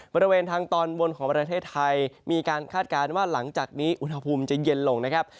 บริเวณทางตอนบนของประเทศไทยมีการคาดการณ์ว่าหลังจากนี้อุณหภูมิจะเย็นลงนะครับ